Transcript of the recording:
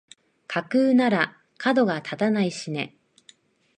架空ならかどが立たないしね